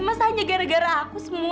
masa hanya gara gara aku semua